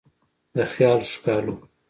د خیال ښکالو